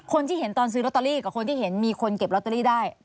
คนที่เห็นตอนซื้อลอตเตอรี่กับคนที่เห็นมีคนเก็บลอตเตอรี่ได้